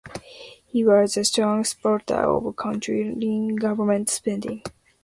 He was a strong supporter of controlling government spending.